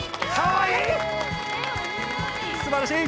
すばらしい！